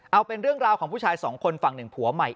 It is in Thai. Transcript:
เอาเป็นเรื่องราวของผู้ชายสองคนฝั่งหนึ่งผัวใหม่